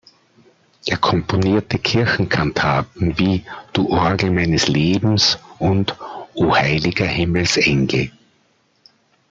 Er komponierte Kirchenkantaten wie "Du Orgel meines Lebens" und "Oh Heiliger Himmels Engel".